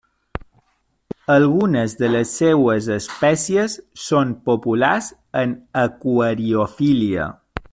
Algunes de les seues espècies són populars en aquariofília.